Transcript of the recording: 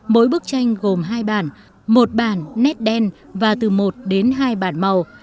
mỗi bức tranh gồm hai bản một bản nét đen và từ một đến hai bản màu